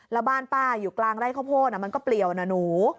แล้วบ้านป้าอยู่กลางไร่ข้าวโพดมันก็เปลี่ยวนะหนู